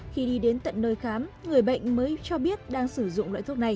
khi đi đến tận nơi khám người bệnh mới cho biết đang sử dụng